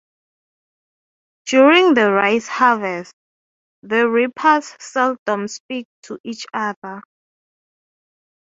During the rice-harvest, the reapers seldom speak to each other.